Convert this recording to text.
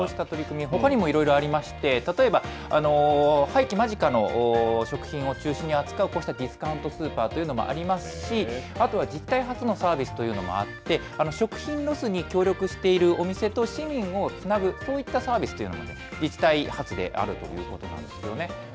取り組み、ほかにもいろいろありまして、例えば、廃棄間近の食品を中心に扱うこうしたディスカウントスーパーというのもありますし、あとは自治体発のサービスというのもあって、食品ロスに協力しているお店と市民をつなぐ、こういったサービスというのも、自治体発であるということなんですね。